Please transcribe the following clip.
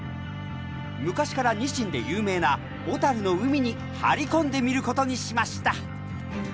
昔からニシンで有名な小樽の海に張り込んでみることにしました。